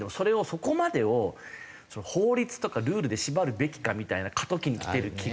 そこまでを法律とかルールで縛るべきかみたいな過渡期にきてる気がして。